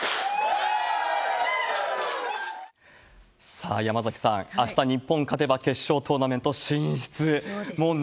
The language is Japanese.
さあ、山崎さん、あした日本勝てば、決勝トーナメント進出。